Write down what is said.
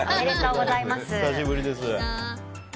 久しぶりです。